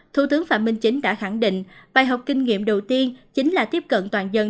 thủ tướng phạm minh chính đã khẳng định bài học kinh nghiệm đầu tiên chính là tiếp cận toàn dân